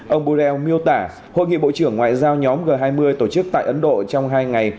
ông borrell miêu tả hội nghị bộ trưởng ngoại giao nhóm g hai mươi tổ chức tại ấn độ trong hai ngày